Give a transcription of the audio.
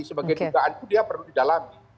sebagai dugaan itu dia perlu didalami